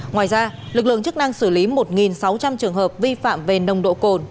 ngoài ra lực lượng chức năng xử lý một sáu trăm linh trường hợp vi phạm về nồng độ cồn